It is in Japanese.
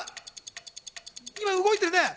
今動いてるね。